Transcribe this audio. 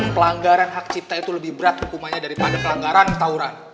pelanggaran hak cipta itu lebih berat hukumannya daripada pelanggaran tauran